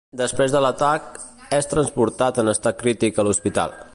Després de l'atac, és transportat en estat crític a l'hospital.